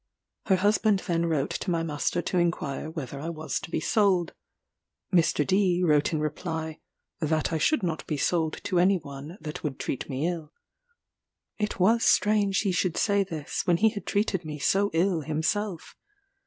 Her husband then wrote to my master to inquire whether I was to be sold? Mr. D wrote in reply, "that I should not be sold to any one that would treat me ill." It was strange he should say this, when he had treated me so ill himself.